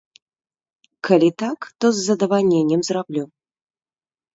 Калі так, то з задавальненнем зраблю.